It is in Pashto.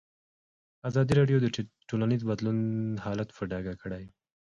ازادي راډیو د ټولنیز بدلون حالت په ډاګه کړی.